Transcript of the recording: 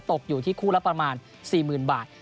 ตกอยู่ที่คู่รับประมาณสี่หมื่นบาท